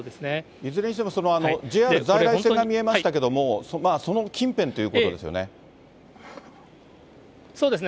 いずれにしてもＪＲの在来線が見えましたけれども、その近辺そうですね。